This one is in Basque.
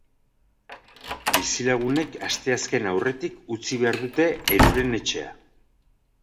Bizilagunek asteazkena aurretik utzi behar dute eruren etxea.